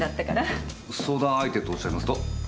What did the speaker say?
相談相手とおっしゃいますと？